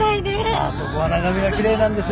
ああそこは眺めがきれいなんですよ。